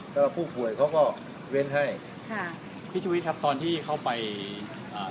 เพื่อผู้ผ่วยเขาก็เว้นให้ค่ะพี่ชวิตค่ะตอนที่เข้าไปอ่า